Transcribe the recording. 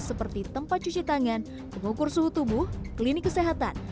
seperti tempat cuci tangan pengukur suhu tubuh klinik kesehatan